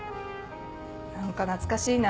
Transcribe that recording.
何か懐かしいな。